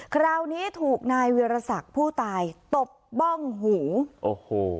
คราวนี้ถูกนายเวียรศักดิ์ผู้ตายตบบ้องหูโอ้โห